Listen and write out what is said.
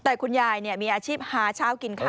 แต่คุณยายเนี่ยมีอาชีพหาเช้ากินค่ะ